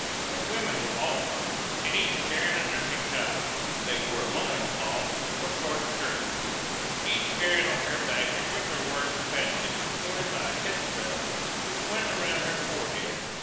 The women were all mothers, and each carried a nursing child. They wore loin cloths or short skirts. Each carried on her back a wickerwork basket supported by a head strap which went around her forehead.